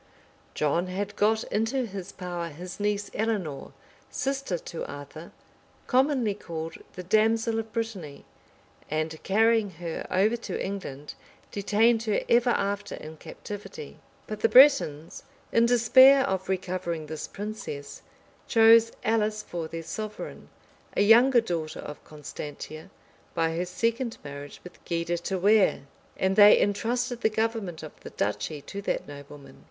John had got into his power his niece, Eleanor, sister to Arthur, commonly called 'the damsel of Brittany,' and carrying her over to England, detained her ever after in captivity:[*] but the Bretons, in despair of recovering this princess, chose Alice for their sovereign; a younger daughter of Constantia, by her second marriage with Gui de Thouars; and they intrusted the government of the duchy to that nobleman.